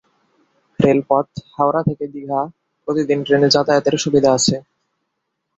রেলপথ: হাওড়া থেকে দীঘা প্রতিদিন ট্রেনে যাতায়াতের সুবিধা আছে।